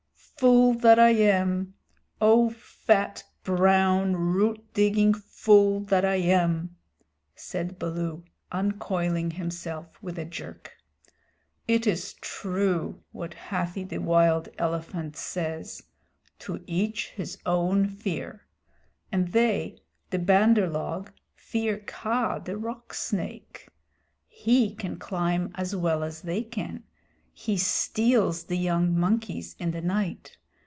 "Fool that I am! Oh, fat, brown, root digging fool that I am," said Baloo, uncoiling himself with a jerk, "it is true what Hathi the Wild Elephant says: `To each his own fear'; and they, the Bandar log, fear Kaa the Rock Snake. He can climb as well as they can. He steals the young monkeys in the night.